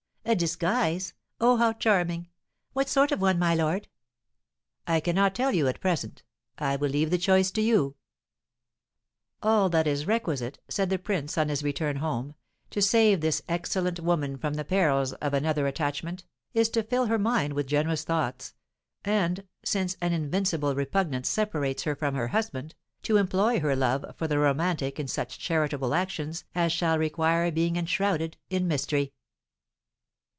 "A disguise? Oh, how charming! What sort of one, my lord?" "I cannot tell you at present. I will leave the choice to you." "All that is requisite," said the prince, on his return home, "to save this excellent woman from the perils of another attachment, is to fill her mind with generous thoughts; and, since an invincible repugnance separates her from her husband, to employ her love for the romantic in such charitable actions as shall require being enshrouded in mystery."